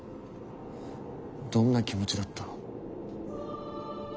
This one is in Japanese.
どんな気持ちだった？